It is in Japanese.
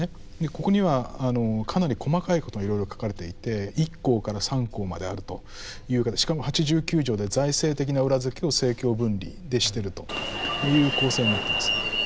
ここにはかなり細かいことがいろいろ書かれていて一項から三項まであるというからしかも八十九条で財政的な裏付けを政教分離でしてるという構成になってます。